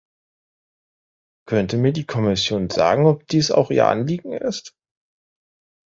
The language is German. Könnte mir die Kommission sagen, ob dies auch ihr Anliegen ist?